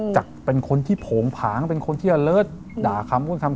จากเป็นคนที่โผงผางเป็นคนที่เลิศด่าคำพูดคำ